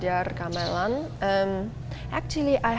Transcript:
saya telah mencoba di negara saya